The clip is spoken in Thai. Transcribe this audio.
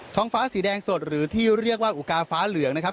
งฟ้าสีแดงสดหรือที่เรียกว่าอุกาฟ้าเหลืองนะครับ